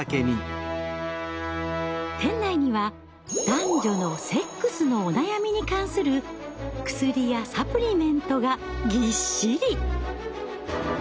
店内には男女のセックスのお悩みに関する薬やサプリメントがぎっしり！